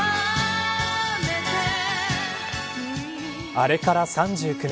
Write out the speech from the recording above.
あれから３９年。